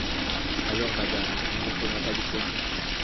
Alors, madame, il ne faudra pas de poisson ?